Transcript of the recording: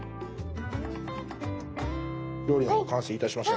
料理が完成いたしました。